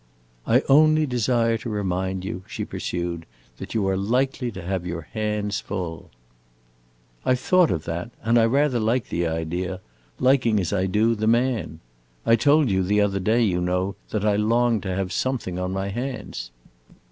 "I only desire to remind you," she pursued, "that you are likely to have your hands full." "I 've thought of that, and I rather like the idea; liking, as I do, the man. I told you the other day, you know, that I longed to have something on my hands.